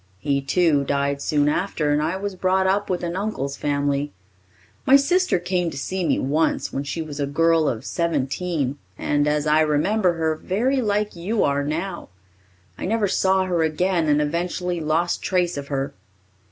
He, too, died soon after, and I was brought up with an uncle's family. My sister came to see me once when she was a girl of seventeen and, as I remember her, very like you are now. I never saw her again and eventually lost trace of her.